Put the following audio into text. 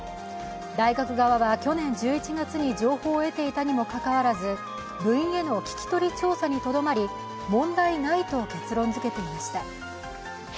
大学側は去年１１月に情報を得ていたにもかかわらず部員への聞き取り調査にとどまり問題ないと結論づけていました。